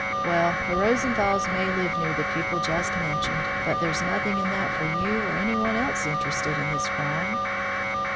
Well, the Rosenthals may live near the people just mentioned, but there's nothing in that for you or anyone else interested in this crime."